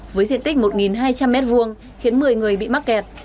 với diện tích một hai trăm linh m hai khiến một mươi người bị mắc kẹt